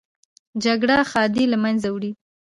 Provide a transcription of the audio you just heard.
جګړه ښادي له منځه وړي